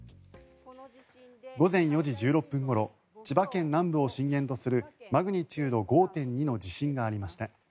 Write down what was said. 午前４時１６分ごろ千葉県南部を震源とするマグニチュード５．２の地震がありました。